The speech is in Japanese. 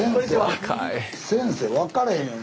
先生分からへんよ。